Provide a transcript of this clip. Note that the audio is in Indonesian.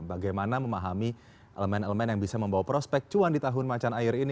bagaimana memahami elemen elemen yang bisa membawa prospek cuan di tahun macan air ini